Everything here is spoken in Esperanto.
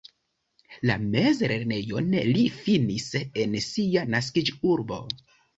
La mezlernejon li finis en sia naskiĝurbo.